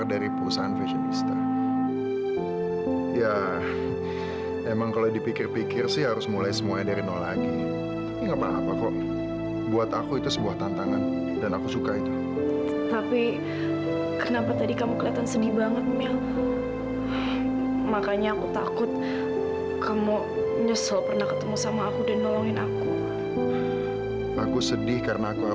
sampai jumpa di video selanjutnya